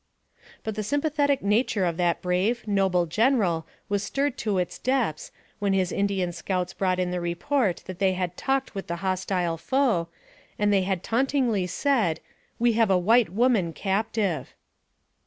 But the sympathetic nature of that brave, noble General was stirred to its depths, when his Indian scouts brought in the report that they had talked with the hostile foe, and they had tauntingly said, " we have a white woman captive."